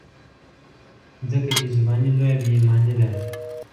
ځکه بې زباني لویه بې ایماني ده.